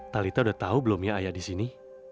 talita udah tahu belum ya ayah di sini